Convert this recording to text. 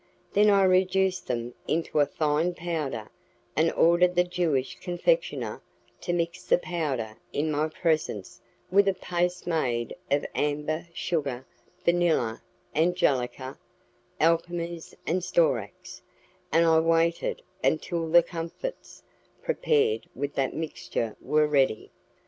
Then I reduced them into a fine powder, and ordered the Jewish confectioner to mix the powder in my presence with a paste made of amber, sugar, vanilla, angelica, alkermes and storax, and I waited until the comfits prepared with that mixture were ready.